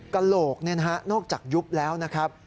กะโหลกนี่นะฮะนอกจากยุบแล้วนะครับ